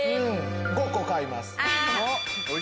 ５個買います。